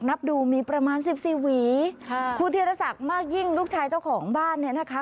นับดูมีประมาณสิบสี่หวีค่ะคุณธีรศักดิ์มากยิ่งลูกชายเจ้าของบ้านเนี่ยนะคะ